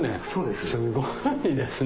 すごいですね。